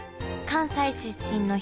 関西出身で？